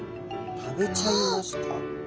食べちゃいました。